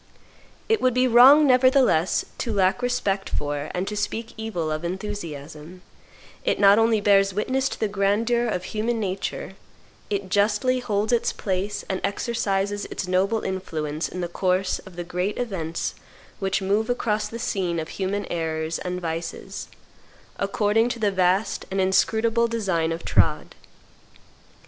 It would be wrong, nevertheless, to lack respect for and to speak evil of enthusiasm: it not only bears witness to the grandeur of human nature, it justly holds its place and exercises its noble influence in the course of the great events which move across the scene of human errors and vices, according to the vast and inscrutable design of trod.